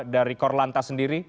dari korlanta sendiri